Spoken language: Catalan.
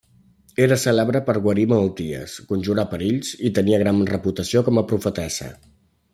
Era cèlebre per guarir malalties, conjurar perills, i tenia gran reputació com a profetessa.